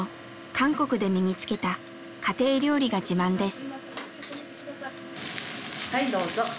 韓国で身につけた家庭料理が自慢です。